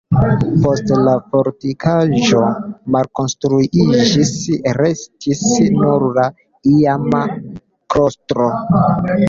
Poste la fortikaĵo malkonstruiĝis, restis nur la iama klostro.